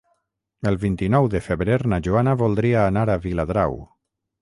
El vint-i-nou de febrer na Joana voldria anar a Viladrau.